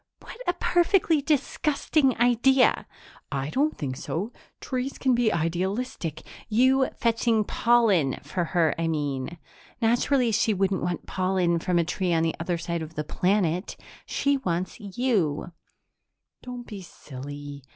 "What a perfectly disgusting idea!" "I don't think so. Trees can be idealistic " "You fetching pollen for her, I mean. Naturally she wouldn't want pollen from a tree on the other side of the planet. She wants you!" "Don't be silly.